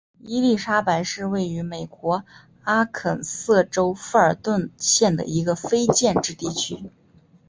伊莉莎白是位于美国阿肯色州富尔顿县的一个非建制地区。